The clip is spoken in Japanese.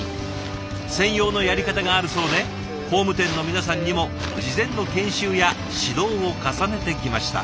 専用のやり方があるそうで工務店の皆さんにも事前の研修や指導を重ねてきました。